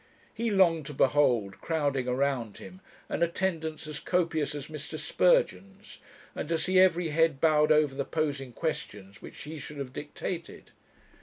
He longed to behold, crowding around him, an attendance as copious as Mr. Spurgeon's, and to see every head bowed over the posing questions which he should have dictated.